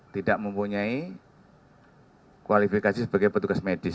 tidak mempunyai kualifikasi sebagai petugas medis